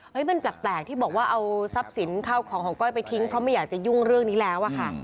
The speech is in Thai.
มันแปลกที่บอกว่าเอาทรัพย์สินเข้าของของก้อยไปทิ้งเพราะไม่อยากจะยุ่งเรื่องนี้แล้วอะค่ะ